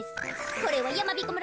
これはやまびこ村